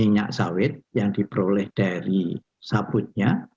minyak sawit yang diperoleh dari sabutnya